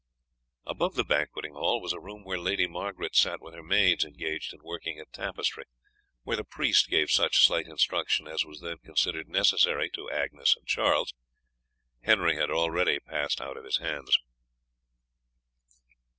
Above the banqueting hall was a room where Lady Margaret sat with her maids engaged in working at tapestry; here the priest gave such slight instruction as was then considered necessary to Agnes and Charles; Henry had already passed out of his hands.